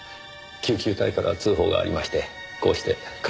救急隊から通報がありましてこうして駆けつけました。